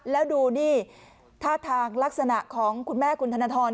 แล้วดูนี่ท่าทางลักษณะของคุณแม่คุณธนทร